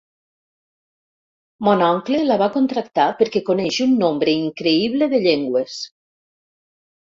Mon oncle la va contractar perquè coneix un nombre increïble de llengües.